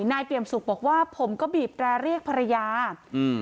เปี่ยมสุขบอกว่าผมก็บีบแตรเรียกภรรยาอืม